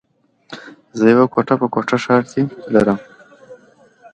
زه يوه کوټه په کوټه ښار کي لره مه